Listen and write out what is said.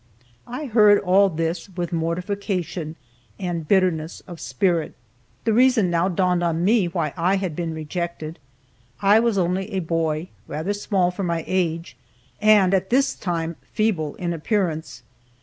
I heard all this with mortification and bitterness of spirit. The reason now dawned on me why I had been rejected. I was only a boy, rather small for my age, and at this time feeble in appearance.